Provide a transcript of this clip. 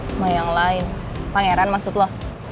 sama yang lain pangeran maksud lo